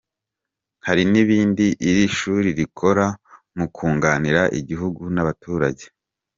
Hari n’ibindi iri shuri rikora mu kunganira igihugu n’abaturage.